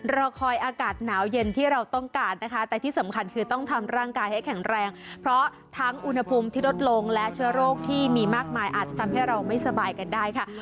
รอคอยอากาศหนาวเย็นที่เราต้องการนะคะแต่ที่สำคัญคือต้องทำร่างกายให้แข็งแรงเพราะทั้งอุณหภูมิที่ลดลงและเชื้อโรคที่มีมากมายอาจจะทำให้เราไม่สบายกันได้ค่ะ